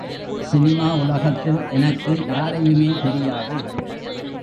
Cinema உலகத்தில் எனக்கு யாரையுமே தெரியாது.